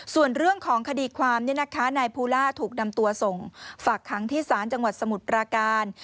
ส่วนเรื่องของคดีความนายภูล่าถูกนำตัวส่งฝากค้างที่ศาลจังหวัดสมุทรปราการ